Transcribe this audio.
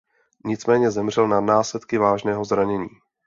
Nicméně zemřel na následky vážného zranění.